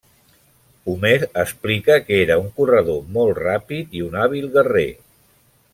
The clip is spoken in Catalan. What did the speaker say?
Homer explica que era un corredor molt ràpid i un hàbil guerrer.